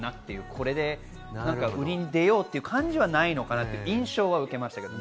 これで売りに出ようという感じにはならないのかなという印象になりました。